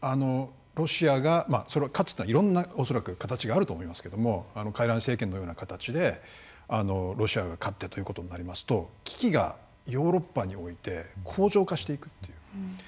となると勝つというのはいろんな恐らく形があると思いますけどもかいらい政権のような形でロシアが勝ってということになりますと危機がヨーロッパにおいて恒常化していくという。